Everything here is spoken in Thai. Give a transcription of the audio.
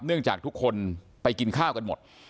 จากทุกคนไปกินข้าวกันหมด